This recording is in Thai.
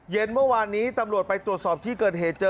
เมื่อวานนี้ตำรวจไปตรวจสอบที่เกิดเหตุเจอ